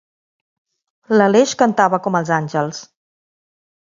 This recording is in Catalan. L'Aleix cantava com els àngels.